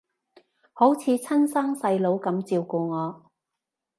好似親生細佬噉照顧我